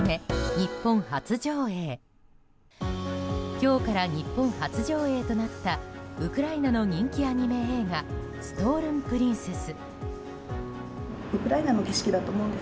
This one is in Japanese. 今日から日本初上映となったウクライナの人気アニメ映画「ストールンプリンセス」。